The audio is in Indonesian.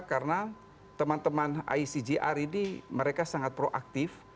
karena teman teman icg rid mereka sangat proaktif